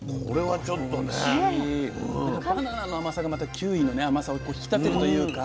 バナナの甘さがまたキウイの甘さを引き立てるというか。